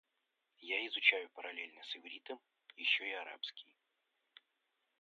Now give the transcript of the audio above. Я изучаю параллельно с ивритом ещё и арабский.